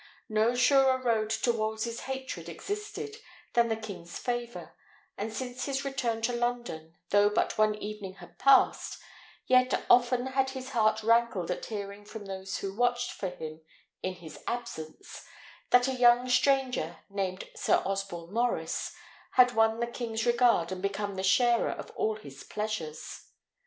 No surer road to Wolsey's hatred existed than the king's favour; and since his return to London, though but one evening had passed, yet often had his heart rankled at hearing from those who watched for him in his absence, that a young stranger, named Sir Osborne Maurice, had won the king's regard and become the sharer of all his pleasures.